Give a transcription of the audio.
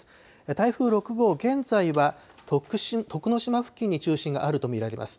台風６号、現在は徳之島付近に中心があると見られます。